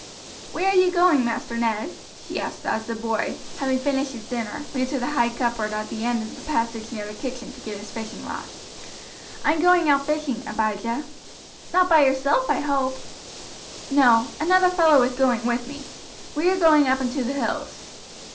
"Where are you going, Master Ned?" she asked as the boy, having finished his dinner, ran to the high cupboard at the end of the passage near the kitchen to get his fishing rod. "I am going out fishing, Abijah." "Not by yourself, I hope?" "No; another fellow is going with me. We are going up into the hills."